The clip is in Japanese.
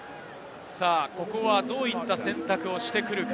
ここはどういった選択をしてくるか？